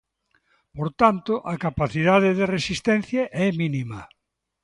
Por tanto, a capacidade de resistencia é mínima.